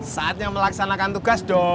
saatnya melaksanakan tugas dong